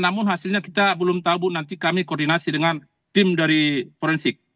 namun hasilnya kita belum tahu bu nanti kami koordinasi dengan tim dari forensik